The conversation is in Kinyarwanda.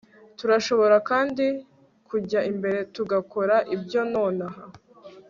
Turashobora kandi kujya imbere tugakora ibyo nonaha